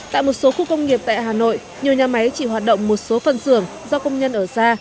tại một số khu công nghiệp tại hà nội nhiều nhà máy chỉ hoạt động một số phân xưởng do công nhân ở xa